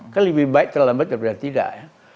kan lebih baik terlambat daripada tidak ya